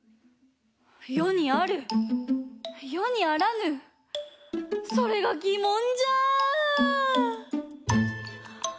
世に在る世に在らぬそれが疑問ぢゃ！